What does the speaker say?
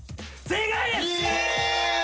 正解！